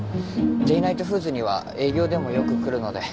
デイナイトフーズには営業でもよく来るので。